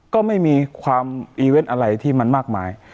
ก็ไม่มีความอีเวนต์อะไรที่มันมากมาย